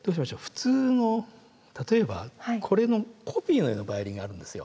普通の例えばこれのコピーのようなバイオリンがあるんですよ。